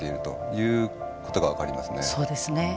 そうですね。